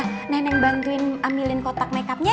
ah nenek bantuin ambilin kotak makeupnya ya